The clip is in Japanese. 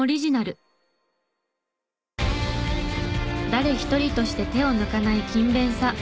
誰一人として手を抜かない勤勉さ